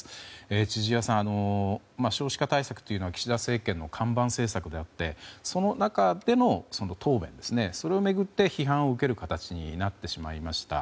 千々岩さん、少子化対策は岸田政権の看板政策であってその中での答弁を巡って批判を受ける形になってしまいました。